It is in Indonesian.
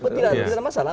tidak ada masalah